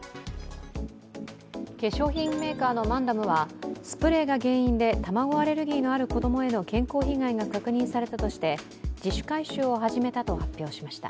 化粧品メーカーのマンダムはスプレーが原因で卵アレルギーのある子供への健康被害が確認されたとして自主回収を始めたと発表しました。